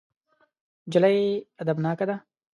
نجلۍ ادبناکه ده.